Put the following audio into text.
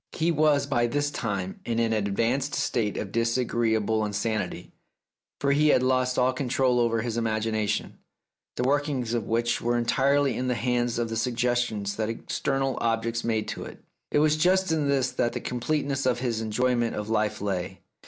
He was by this time in an advanced state of his agreeable insanity, for he had lost all control over his imagination, the workings of which were entirely in the hands of the suggestions that external objects made to it. It was just in this that the completeness of his enjoyment of life lay.